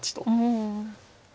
うん。